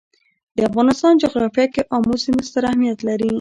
د افغانستان جغرافیه کې آمو سیند ستر اهمیت لري.